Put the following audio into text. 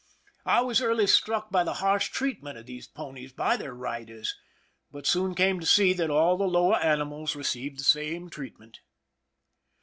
I was early struck by the harsh treatment of these ponies by their riders, but soon came to see that all the lower animals received the same treatment.